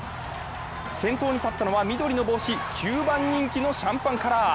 先頭に立ったのは緑の帽子、９番人気のシャンパンカラー。